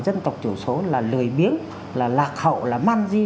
dân tộc thiểu số là lời biếng là lạc hậu là man di